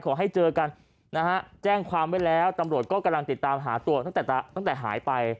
ขอให้เจอกันนะฮะแจ้งความไว้แล้วตำรวจก็กำลังติดตามหาตัวตั้งแต่ตั้งแต่หายไป